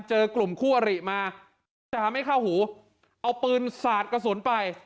เจอกลุ่มคู่อริมาตาไม่เข้าหูเอาปืนสาดกระสุนไป